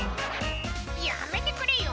やめてくれよ。